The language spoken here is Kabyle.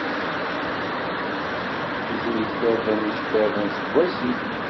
Zik, tarda n yicettiḍen seg wasif.